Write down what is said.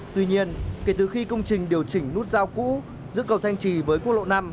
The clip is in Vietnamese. tuy nhiên kể từ khi công trình điều chỉnh nút giao cũ giữa cầu thanh trì với quốc lộ năm